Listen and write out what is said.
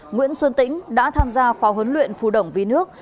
nguyễn xuân tĩnh đã tham gia khóa huấn luyện phù đồng vì nước